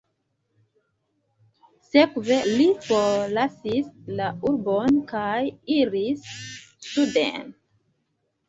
Sekve li forlasis la urbon kaj iris suden.